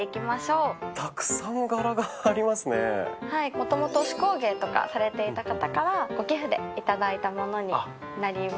元々手工芸とかされていた方からご寄付で頂いた物になります。